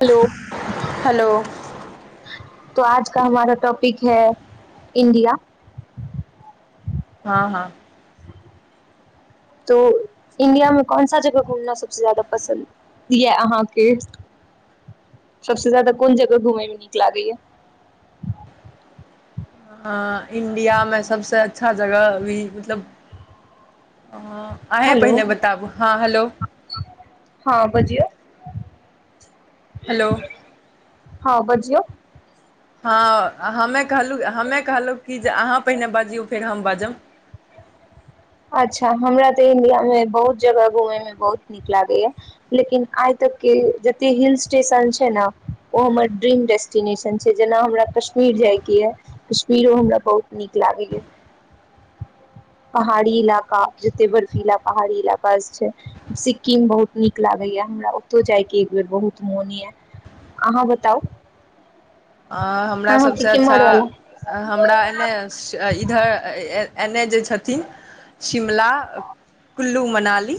Hello. Hello तो आज का हमारा टॉपिक है इंडिया। हाँ हाँ। तो इंडिया में कौन सा जगह घूमना सबसे ज्यादा पसन्द यै अहाँके सबसे ज्यादा कोन जगह घूमय में नीक लागैये? हँ इंडिया में सबसऽ अच्छा जगह भी मतलब हँ अहें हेलो पहिले बताबू हँ हलो। हँ बजियौ। हेलो। हँ बजियौ। हँ हमे कहलू हमे कहलौ कि जे अहाँ पहिने बजियौ फेर हम बजब। अच्छऽ हमरा तऽ इंडिया में बहुत जगह घूमय में बहुत नीक लागैये। लेकिन आइ तक के जते हिल स्टेशन छैय न ओ हमर ड्रीम डेस टिनेशन छैय जेना हमरा कश्मीर जाय के यै कश्मीरो हमरा बहुत नीक लागय यै। पहाड़ी इलाका जते बर्फीला पहाड़ी इलाका स छैय। सिक्किम बहुत नीक लागैये हमरा ओतौउ जायके एक बेर बहुत मोन ये। अहाँ बताउ। अ हमरा अहाँके सबसऽ अच्छा केम्हर वाला हमरा एने स इधर ए-ए एने जे छथिन शिमला, कुल्लू मनाली।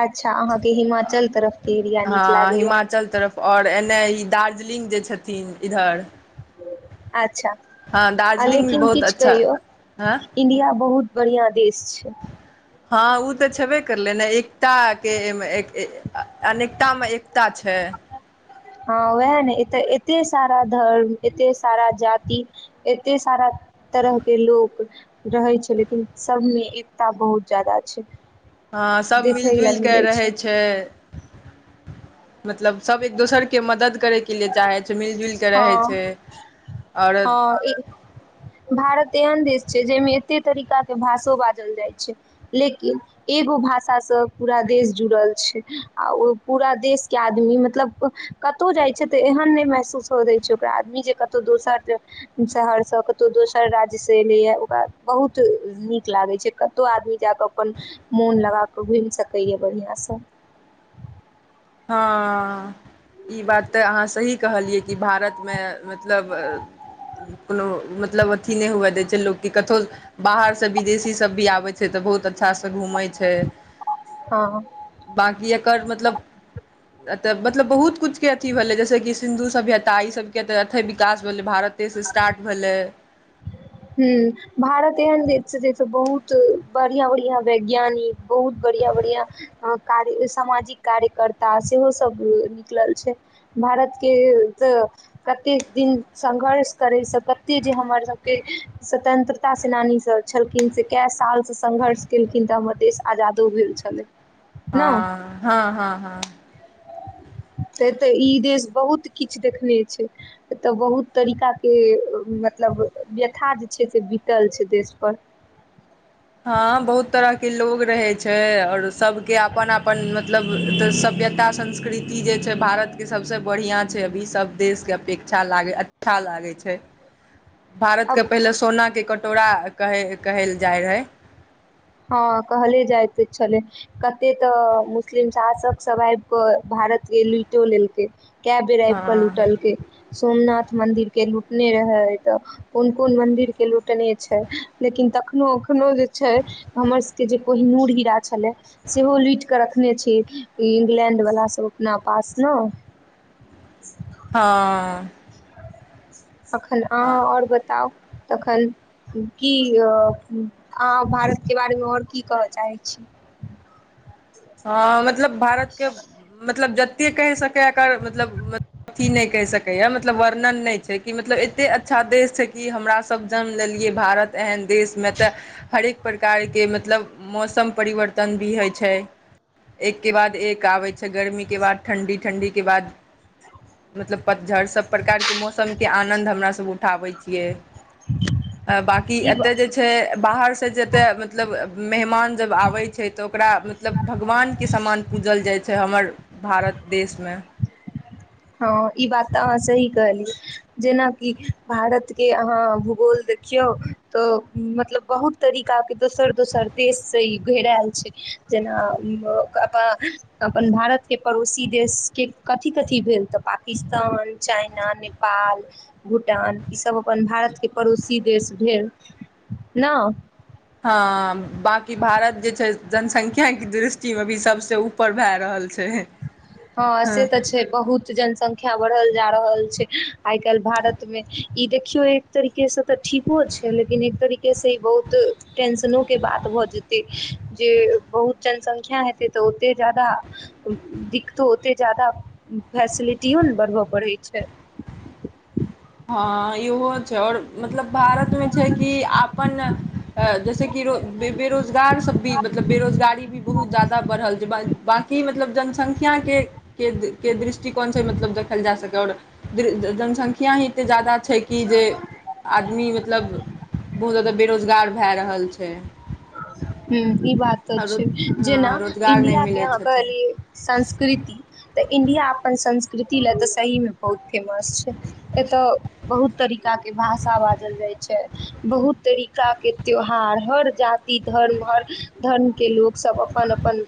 अच्छा अहाँके हिमाचल तरफ के एरिया नीक लागेये। चल तरफ और एने ई दार्जलिंग जे छथिन इधर। अच्छा हँ दार्जिलिंग भी लेकिन बहुत किछ अच्छा कहिऔ हँ इण्डिया बहुत बढिया देश छै। हँ उ तऽ छेबे करलै ने एकताके एमे एक अनेकता में एकता छै। हँ वैह ने एतऽ एते सारा धर्म एते सारा जाति। एते सारा तरहके लोक। रहै छै लेकिन, सबमें एकता बहुत जादा छै। हँ सब देखै मिल- लए जुलि कऽ मिलै रहै छै। मतलब सब एक दोसर के मदद करै के लिए चाहै छै मिलजुलिके रहै छै औरो। अ ई। [inaudible] भारत एहन देश छै, जहिमे एते तरीका के भाषो बाजल जाइ छै। लेकिन। एगो भाषा सँ पूरा देश जुड़ल छै, आ ओ पूरा देशके आदमी मतलब कतौ जाइ छै तऽ एहन नहि महसूस होअ दै छै, ओकरा आदमी जे कतौ दोसर शहर सँ कतौ दोसर राज्य से एलै या, ओकरा बहुत नीक लागै छै। कतौ आदमी जाकऽ अपन मोन लगा कऽ घुमि सकैया बढ़िया सँ। हँ। ई बात तऽ अहाँ सही कहलियै, कि भारतमे मतलब कोनो मतलब अथि नहि हुअ दै छै, लोक के कथो बाहर सँ विदेशी सब भी आबै छै, तऽ बहुत अच्छा सँ घूमै छै। हे हँ बांकि एकर मतलब अतऽ मतलब बहुत कुछके अथि भेलै, जैसे कि सिन्धु सभ्यता ईसबके तऽ अथै विकास भेलै भारत ते सँ स्टार्ट भेलै। हूँ भारत एहन देश छै जैसँ बहुत बढ़िया -बढ़िया वैज्ञानिक, बहुत बढ़िया- बढ़िया हँ कार्य समाजिक कार्यकर्ता सेहोसब निकलल छै। भारत के तऽ। कतेक दिन संघर्ष करै सँ कत्ते जे हमर सबके। स्वतंत्रता सेनानी सब छलखिन, से कै साल सँ संघर्ष केलखिन तऽ हमर देश आजादो भेल छऽ। लै। हँऽ- हँ- हँ- हँ। तैं तऽ ई देश बहुत किछ देखने छै। एतऽ बहुत तरीका के मतलब व्यथा जे छै, से बीतल छै देश पर। हँ बहुत तरह के लोग रहै छै, और सबके आपन- आपन मतलब। तऽ सभ्यता संस्कृति जे छै, भारतके सब सँ बढ़िआँ छै, अभी सब देशके अपेक्षा लागै अच था लागै छै। ह [inaudible] भारत के पहिले सोना के कटोरा -कहे -कहल जाय रहै। हँ कहले जायत छले। कते तऽ मुस्लिम शासक सब आबि कऽ भारत के लूइटे लेलकै। कए बेर आबि कऽ हँ लूटलकेै, सोमनाथ मंन्दिर के लूटने रहै तऽ। कोन- कोन मन्दिरके लूटने छै, लेकिन तखनहु अखनो जे छै। हमर सबके जे कोहिनूर हीरा छलै। सेहो लूटि कऽ रखने छै इंग्लैंड वला सभ अपना पास ने। हँऽ। अखन अहाँ और बताउ तखन? की अ अहाँ भारतके बारेमे ओर की कहऽ चाहैत छि। हँ मतलब भारतके मतलब जतेक कहि सकै एकर मतलब मत अथिी नहि कहि सकै या मतलब वर्णन नहि छै कि मतलब एते अच्छा देश छै कि हमरा सब जन्म लेलियै भारत एहन देशमे तऽ हरेक प्रकारके मतलब मौसम परिवर्तन भी होइ छै। एकके बाद एक आबै छै गरमीके बाद ठण्ढी ठण्ढीके बाद मतलब पतझड़ सभ प्रकारके मौसमके आनंन्द हमर सभ उठाबै छियै। बकी ई एतय जे छै बाहरसँ जे एतय मतलब मेहमान जब आबै छै तऽ ओकरा मतलब भगवानके समान पूजल जाइ छै हमर भारत देशमे। हँ ई बात तऽ अहाँ सही कहलियै। जेनाकि भारतके अहाँ भूगोल देखियौ तऽ मतलब बहुत तरीका के दोसर दोसर देश से ई घेरायल छै जेना अ [unintelligible] अप अपन भारत के पड़ोसी देश के कथी कथी भेल? तऽ पाकिस्तान चाइना नेपाल भूटान ईसभ अपन भारतके पड़ोसी देश भेल ने। हँ बाँकी भारत जे छै जनसंख्याके दृष्टिमे भी सबसँ उ पर भए रहल छै। हँ अ से तऽ छै बहुत जनसंख्य संख्या बढ़ल जा रहल छै आइ काल्हि भारत मे ई देखियौ एक तरीके से तऽ ठीको छै लेकिन एक तरीके से ई बहुत टेंशनोके बात भऽ जेतै। जे बहुत जनसंख्या हेतै तऽ ओते जादा दिक तऽ ओते जादाा फैसिलिटियो ने बढ़बय पड़ैत छै। हँ यहो छे आओर मतलब भारत मे छै कि आपन जैसेक बे बेरोजगार तबी मतलब बेरोजगारी भी बहुत जादा बढ़ल जे ब बाकी मतलब जनसंख्य ख्य के-के-के दृष्टिकोणसँ मतलब देखल जा सकै आऔर दृ जनसंख्या ही एतेक जाादा छै कि जे आदमी मतलब बहुत जादा बेरोजगार भए रहल छै। ह ई बात तऽ आरो छै हँ जेना रोजगार नहि इंडिया के मिलै अहाँ छथिन कहलियै संस्कृति तऽ इण्डिया अपन संस्कृति लए तऽ सहीमे बहुत फेमस छै। एतय बहुत तरीकाे भाषा बाजल जाइत छै। बहुत तरीका के त्यौहार हर जाति इ धर्म हर धर्मके लोकसभ अपन अपन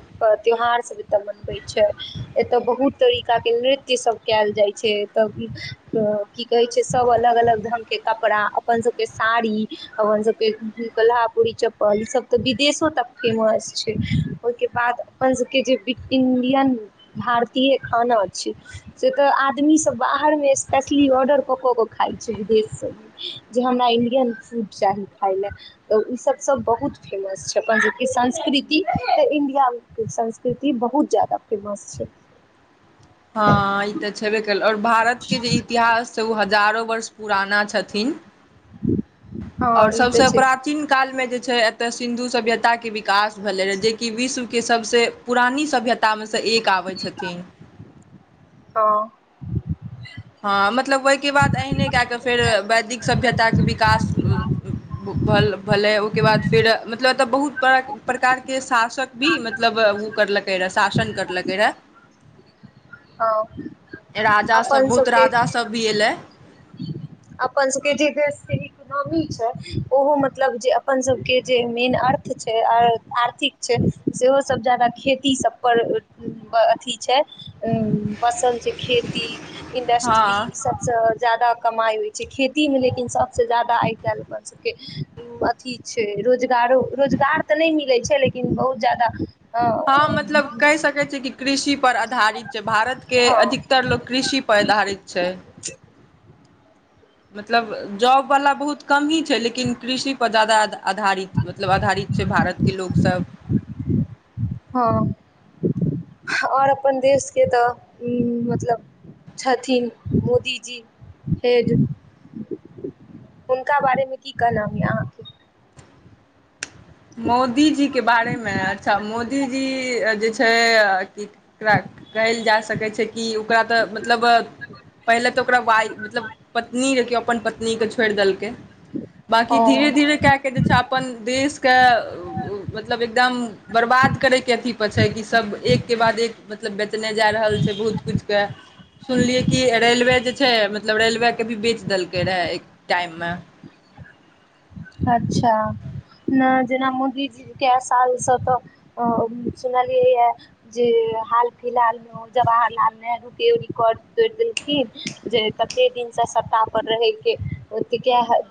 त्यौहार सब एतय मनबै छै। एतय बहुत तरीका के नृत्य सब कयल जाइ छै एतऽ की कहैत छै सभ अलग अलग ढंगगके कपड़ा अपनसभके साड़ी अपनसभके कलहापुररी च कह ई सब तऽ विदेशो तक फेमस छै ओहिके बाद अपन सबके जे इं्डियन भारतीय खाना अ छै। से तऽ आदमी सब बाहर मे स्पेशली ऑर्डर कऽ कऽ के खाइ छै विदेशसँ जे हमरा इं्डियन फूड चाही खाय ल तऽ ओ सब सब बहुत फेमस छै अपन सबके संस्कृति तऽ इण्डियाके संस्कृति बहुत जा्यदा। फेमस छै। हँ ई तऽ छेबे कल आओर भारतके जे इतिहास छै ओ हजारो वर्ष पुराना छथिन। हँ आओर ई तऽ सभसँ छै प्राचीन कालमे जे छै एतय सिन्धु सभ्यताके विकास। भेलै रहै जेकि विश्वके सभसँ पुरानी सभ्यतामे सँ एक आबै छथिन। तऽ। हँ मतलब ओहिके बाद अहिने कए कऽ फेर वैदिक सभ्यताके विकास। भलै ओहिके बाद फेर मतलब एतऽ बहुत बड़ा। प्रकारके शासक भी मतलब ओ करलकै रहए शासन करलकै रहए। हँ। राजा सब अपन बहुत सबके राजा सब भी एयलै। अपन सबके जे देश के हित। इकोनोॉमी छै ओहो मतलब जे अपन सबके जे मेन अर्थ छै आर्थिक। छै सेहो सब ज्यादा खेती सब पर अथी छै। उम फसल छै खेती हँ इंडस्ट्री इ सबस ज्यादा कमाई होइ। छै खेती मे लेकिन सबस ज्यादा आइ कैल अपन सबके। अथि छै रोजगारो रोजगार त नहि मिलैत छै लेकिन बहुत ज्यादा ह। हँ मतलब कहि सकै छै की कृषि। पर आधारित छै भारत के हँ अधिकतर लोग कृषि पर आधारित छै। मतलब जॉबबला बहुत कम ही छै लेकिन कृषि पर ज्यादा आधारित। मतलब आधारित छै भारत के लोकसब। हँ ओर अपन देश के त मतलब। छथिन मोदी जी हेड। हुनका बारे मे की कहनाम य अहाँ के। मोदीजी के बारे मे अच्छा मोदीजी जे छै की। एककरा कहयल जा सकै छै की ओकरा त मतलब। पहिले त ओकरा वाइ मतलब पत्नी रह कियौ अपन पत्नीके छोड़ि देलकै। बाँकी धीरे हँ -धीरे कए के जे छय अपन देशके मतलब एकदम। बरबाद करयके अथीपर छै कि सभ एक के बाद एक मतलब बेचने जा रहल छै बहुत किछुके। सुनलियै कि रेलवे जे छै मतलब रेलवेके भी बेच देलकै रहए एक टाइममे। अच्छा। नहि जेना मोदीजी के सालसँ तऽ सुनलियै य। जी हाल फिलहाल में। जवाहर लाल नेहरू के रिकॉर्ड तोड़ देलखिन जे कते दिन स सफ्ताह। रहे के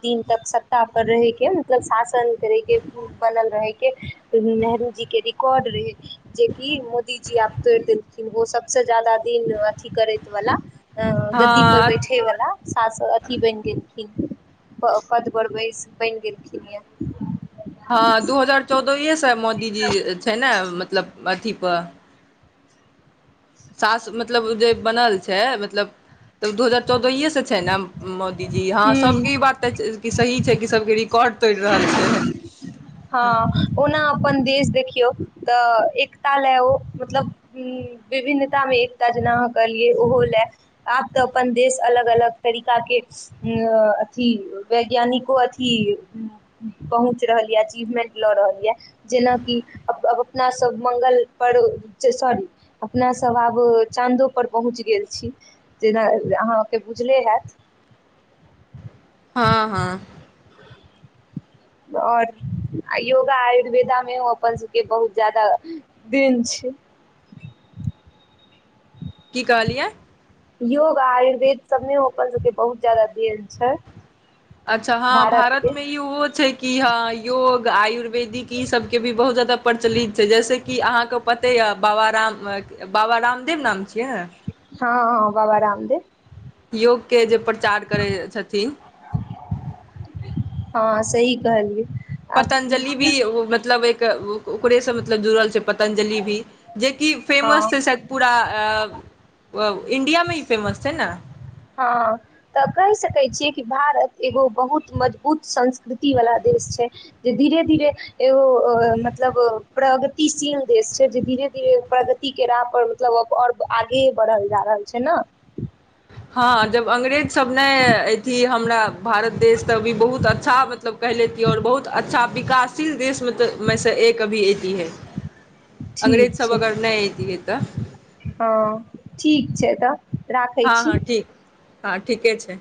दिन तक सफ्ताह। रहैके मतलब शासन करैके बनल रहैके, नेहरू जीके रिकॉर्ड रहै। जेकि मोदीजी आब तोड़ि देलखिन ओ सभस ज्यादा दिन अथी करै वला। अ गद्दी पर हँ बैठे वाला सास अथि बैन गेल खिन पद पर बैस। बनगेलखिनय। हँ दू हजार चौदहिये सँ मोदीजी छै ने मतलब अथी प। सास मतलब जे बनल छथि मतलब त दू हजार चौदहिये सँ छथि ने मोदीजी हँ सभक ई हूँ बात त सही छै कि सभक रिकॉर्ड तोड़ि रहल छय। हँ ओना अपन देश देखियौ त एकता लए ओ मतलब। हम्म, विभिन्नता में एकता जेना अहां कहलिय ओहो ले। अब ता अपन देश अलग-अलग तरीका के। अ अथि वैज्ञानिको अथि। पहुँच रहल या अचीवमेंट लऽ रहल यऽ। जेना कि अपना सब मंगल पर जे सॉरी अपना सब अब चाँदो पर पहुँचि गेल छी। जेना अहाँके बुझले हैत। हँ- हँ। ओर योगा आयुर्वेदा मे ओ अपन सबके बहुत ज़्यादा देन छै। की कहलियै। योग आयुर्वेद सब ने सबके बहुत ज्यदा देल छै। अच्छा हँ भारत में ई ओहो छै कि हँ योग आयुर्वे बेदी कि सबके भी बहुत ज्यादा प्रचलित छै, जैसे कि अहां के पते यऽ बाबा राम बाबा रामदेव नाम छियै। हँ बाबा रामदेव। योग के जे प्रचार करै छथिन। हँ सही कहलियै। आब पतंजलि भी कि ओ मतलब एक ओकरे से मतलब जुड़ल छै। पतंजलि भी जे कि फेमस हँ छै शायद पूरा अ ए। ओ इंडिया में ई फेमस छै ना। हँ। त कहि सकै छियै, कि भारत एगो बहुत मजबूत संस्कृति वला देश छै। जे धीरे- धीरे एगो मतलब प्रगतिशील देश छै, जे धीरे-धीरे प्रगत तिके राह पर मतलब, और आगे बढ़ल जा रहल छै ना। हँ जब अँग्रेज सब ने अथी हमरा भारत देश त अभी बहुत अच्छा मतलब कहि लितियै आओर बहुत अच्छा विकासशील देश में तऽ मे सँ एक कभी एती है। अंग्रेज ठीक सब छै अगर नै एतिअइ तऽ। हँ ठीक छै तऽ। राखै हँ- हँ छी ठीक, हँ ठीके छै।